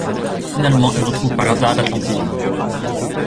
Finalement, il retrouve par hasard l'Atlantide.